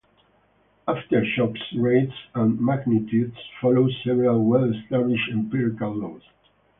Aftershocks rates and magnitudes follow several well-established empirical laws.